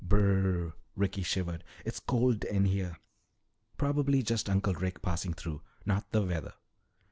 "Br r r!" Ricky shivered. "It's cold in here." "Probably just Uncle Rick passing through not the weather.